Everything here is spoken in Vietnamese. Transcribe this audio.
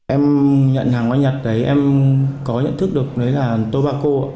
em nhận hàng online nhật đấy em có nhận thức được đấy là tobacco